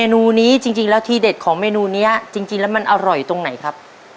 นูนี้จริงแล้วทีเด็ดของเมนูนี้จริงแล้วมันอร่อยตรงไหนครับ